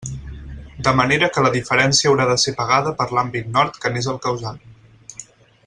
De manera que la diferència haurà de ser pagada per l'àmbit nord que n'és el causant.